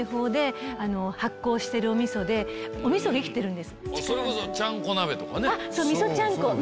それこそちゃんこ鍋とか。